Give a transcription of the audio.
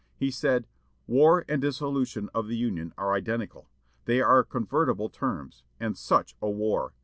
He said: "War and dissolution of the Union are identical; they are convertible terms; and such a war!...